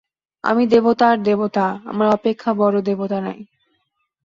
আমি দেবতার দেবতা, আমা অপেক্ষা বড় দেবতা নাই।